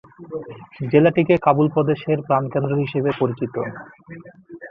জেলাটিকে কাবুল প্রদেশের প্রাণকেন্দ্র হিসেবে পরিচিত।